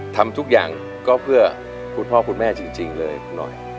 ทำทุกอย่างก็เพื่อคุณพ่อคุณแม่จริงเลยคุณหน่อย